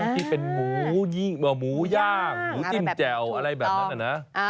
ที่เป็นหมูหมูย่างหมูจิ้มแจ่วอะไรแบบนั้นนะ